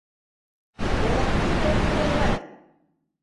ВОЛОКИТА КУВАВАЙ